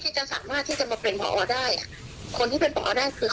จะสามารถที่จะมาเป็นพอได้อ่ะคนที่เป็นพอได้คือ